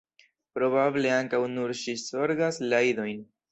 Probable ankaŭ nur ŝi zorgas la idojn.